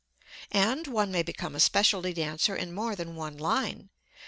And one may become a specialty dancer in more than one line.